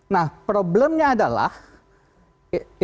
nah problemnya adalah intervensi